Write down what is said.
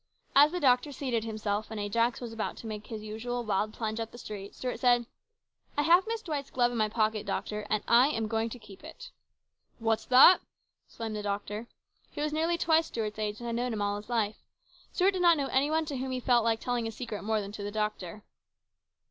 As the doctor seated himself, and Ajax was about to make his usual wild plunge up the street, Stuart said, " I have Miss D wight's glove in my pocket, doctor, and I am going to keep it." " What's that !" exclaimed the doctor. He was nearly twice Stuart's age and had known him all his life. Stuart did not know any one to whom he felt like telling his secret more than to the doctor.